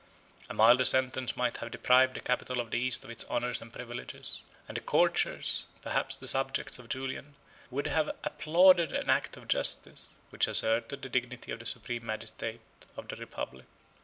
A milder sentence might have deprived the capital of the East of its honors and privileges; and the courtiers, perhaps the subjects, of Julian, would have applauded an act of justice, which asserted the dignity of the supreme magistrate of the republic.